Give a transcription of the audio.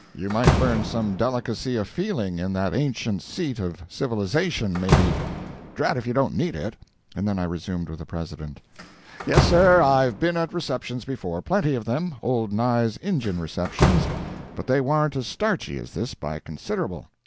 You might learn some delicacy of feeling in that ancient seat of civilization, maybe. Drat if you don't need it." And then I resumed with the President: "Yes, sir, I've been at receptions before, plenty of them—old Nye's Injun receptions. But they warn't as starchy as this by considerable.